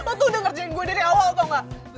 lo tuh udah ngerjain gue dari awal tau gak